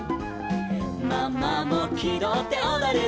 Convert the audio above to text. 「ママもきどっておどるの」